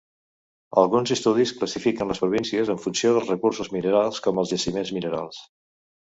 Alguns estudis classifiquen les províncies en funció dels recursos minerals, com els jaciments minerals.